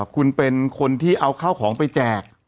คุณเป็นคนที่เอาข้าวของไปแจก